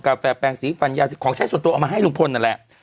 แฟแปลงสีฟันยาสิบของใช้ส่วนตัวเอามาให้ลุงพลนั่นแหละ